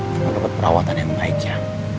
bapak juga perawatan yang baik ya